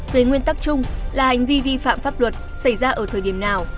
về nguyên tắc chung là hành vi vi phạm pháp luật xảy ra ở thời điểm nào